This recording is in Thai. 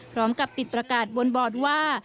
พร้อมกับติดประกาศบนบอร์ดว่า